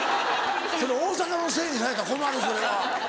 大阪のせいにされたら困るそれは。